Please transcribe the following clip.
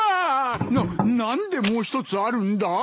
なっ何でもう一つあるんだ！？